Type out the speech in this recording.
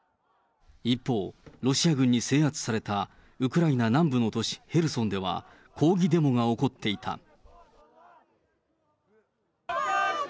一方、ロシア軍に制圧されたウクライナ南部の都市ヘルソンでは、抗議デモが起こっていた。